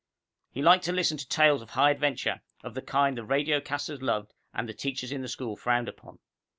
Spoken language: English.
He liked to listen to tales of high adventure, of the kind the radiocasters loved and the teachers in the school frowned upon.